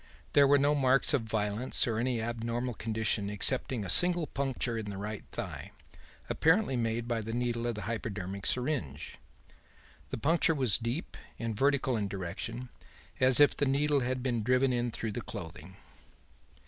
There were no marks of violence or any abnormal condition excepting a single puncture in the right thigh, apparently made by the needle of the hypodermic syringe. The puncture was deep and vertical in direction as if the needle had been driven in through the clothing.